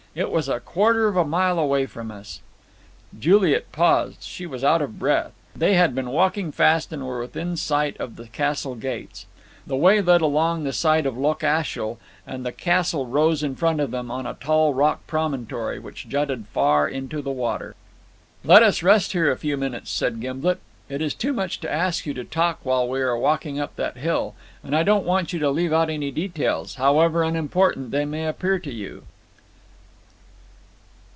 It was a quarter of a mile away from us." Juliet paused; she was out of breath; they had been walking fast and were within sight of the castle gates. The way led along the side of Loch Ashiel, and the castle rose in front of them on a tall rocky promontory, which jutted far into the water. "Let us rest here a few minutes," said Gimblet. "It is too much to ask you to talk while we are walking up that hill, and I don't want you to leave out any details, however unimportant they may appear to you."